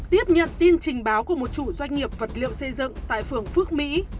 tiếp nhận tin trình báo của một chủ doanh nghiệp vật liệu xây dựng tại phường phước mỹ